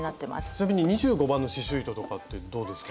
ちなみに２５番の刺しゅう糸とかってどうですかね？